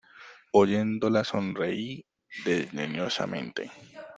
oyéndola, sonreí desdeñosamente.